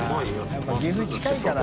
やっぱ岐阜近いから。